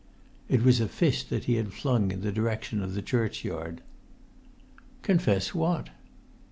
It was a fist that he had flung in the direction of the churchyard. "Confess what?"